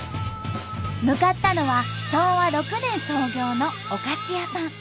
向かったのは昭和６年創業のお菓子屋さん。